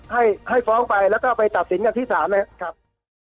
ให้ให้ฟ้องไปแล้วก็ไปตัดสินกันที่ศาลนะครับ